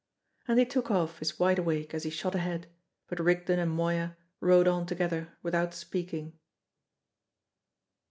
And he took off his wideawake as he shot ahead; but Rigden and Moya rode on together without speaking.